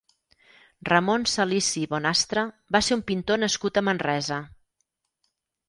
Ramon Salisi Bonastre va ser un pintor nascut a Manresa.